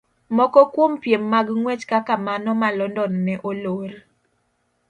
Moko kuom piem mag ng'wech kaka mano ma London ne olor.